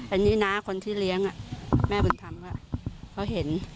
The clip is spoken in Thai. อันนี้น้าคนที่เลี้ยงแม่บุญธรรมเขาเห็น